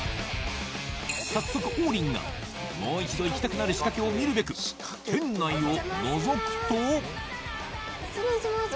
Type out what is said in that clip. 早速王林がもう一度行きたくなる仕掛けを見るべく店内をのぞくと失礼します